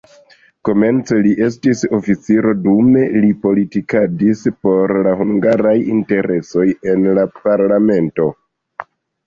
Komence li estis oficiro, dume li politikadis por la hungaraj interesoj en la parlamento.